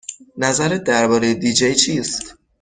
نظرت درباره دی جی چیست؟